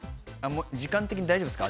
時間的に大丈夫ですか？